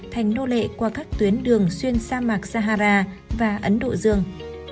thành nô lệ qua các tuyến đường xuyên sa mạc sahara và ấn độ dương